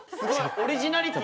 オリジナリティ？